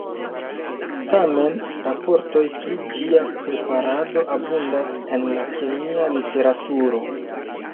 Tamen, raportoj pri ĝia preparado abundas en la kemia literaturo.